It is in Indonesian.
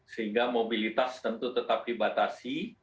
sehingga mobilitas tentu tetap dibatasi